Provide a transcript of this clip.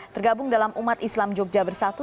tergabung dalam umat islam jogja bersatu